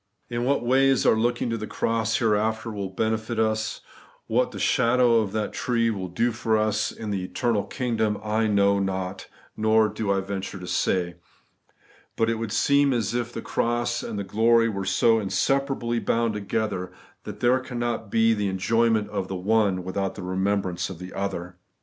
In what ways our looking to the cross here after will benefit us ; what the shadow of that tree will do for us in the eternal kingdom, I know not, nor do I venture to say. But it would seem as if the cross and the glory were so inseparably bound together, that there cannot be the enjoy ment of the one without the remembrance of the other.